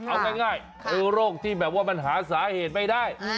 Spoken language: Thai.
เอาง่ายคือโรคที่แบบว่ามันหาสาเหตุไม่ได้